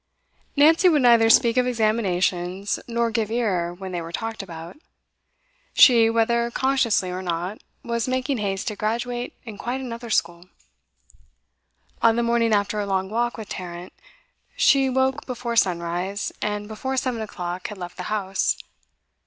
Nancy would neither speak of examinations, nor give ear when they were talked about; she, whether consciously or not, was making haste to graduate in quite another school. On the morning after her long walk with Tarrant, she woke before sunrise, and before seven o'clock had left the house.